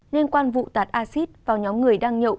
liên quan vụ tạt acid vào nhóm người đang nhậu